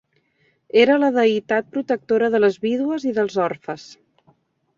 Era la deïtat protectora de les vídues i dels orfes.